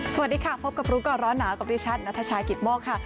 สวัสดีค่ะพบกับรู้ก่อนร้อนหนาวกับดิฉันนัทชายกิตโมกค่ะ